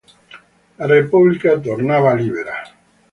La Repubblica tornava libera.